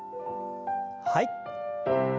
はい。